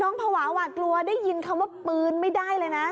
ภาวะหวาดกลัวได้ยินคำว่าปืนไม่ได้เลยนะ